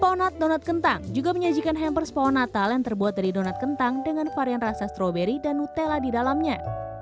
pohonat donat kentang juga menyajikan hampers pohon natal yang terbuat dari donat kentang dengan varian rasa stroberi dan nutella di dalamnya